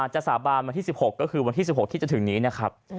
สาบานวันที่๑๖ก็คือวันที่๑๖ที่จะถึงนี้นะครับ